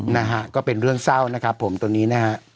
นะฮะก็เป็นเรื่องเศร้านะครับผมตอนนี้นะฮะ